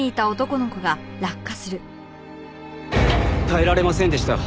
耐えられませんでした。